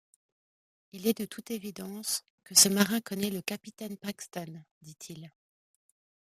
Il est de toute évidence que ce marin connaît le capitaine Paxton... dit-il.